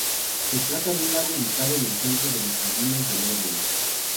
Se trata de un Lago ubicado en el centro de los Jardines de Lórien.